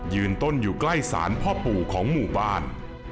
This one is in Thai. ต้นอยู่ใกล้ศาลพ่อปู่ของหมู่บ้าน